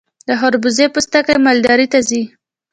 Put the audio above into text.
د خربوزې پوستکي مالداري ته ځي.